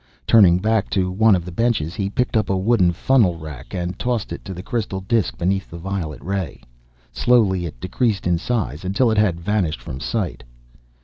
Turning back to one of the benches, he picked up a wooden funnel rack, and tossed it to the crystal disk beneath the violet ray. Slowly it decreased in size, until it had vanished from sight.